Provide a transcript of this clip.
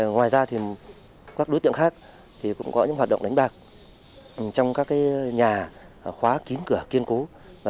ngoài ra thì các đối tượng khác thì cũng có những hoạt động đánh bạc trong các nhà khóa kín cửa kiên cố